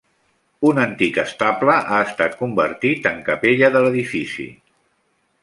Un antic estable ha estat convertit en capella de l'edifici.